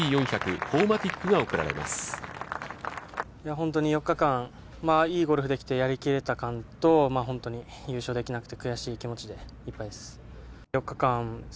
◆本当に４日間、いいゴルフができて、やり切れた感と、本当に優勝できなくて悔しい気持ちでいっぱいです。